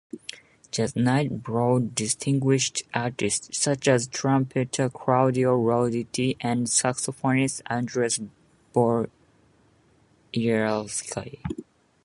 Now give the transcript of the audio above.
Jazz Nights brought distinguished artists such as trumpeter Claudio Roditi and saxophonist Andres Boiarsky.